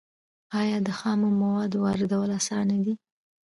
آیا د خامو موادو واردول اسانه دي؟